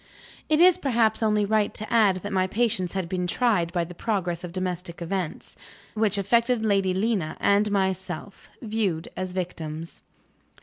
It is perhaps only right to add that my patience had been tried by the progress of domestic events, which affected Lady Lena and myself viewed as victims.